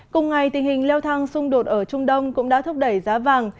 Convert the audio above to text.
cùng ngày tình hình leo thang xung đột ở trung đông cũng đã thúc đẩy giá vàng